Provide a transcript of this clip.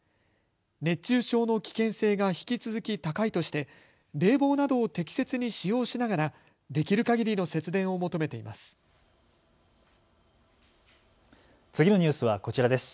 熱中症の危険性が引き続き高いとして冷房などを適切に使用しながらできるかぎりの節電を求めています。